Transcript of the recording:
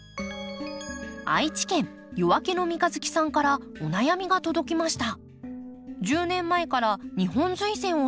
愛知県夜明けの三日月さんからお悩みが届きました。